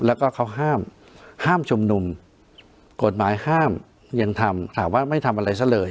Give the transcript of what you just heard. แล้วก็เขาห้ามห้ามชุมนุมกฎหมายห้ามยังทำถามว่าไม่ทำอะไรซะเลย